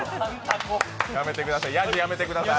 やじ、やめてください。